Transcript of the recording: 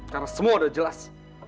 karena semua udah jelas